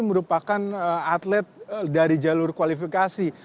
merupakan atlet dari jalur kualifikasi